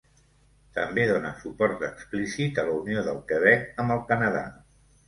També dóna suport explícit a la unió del Quebec amb el Canadà.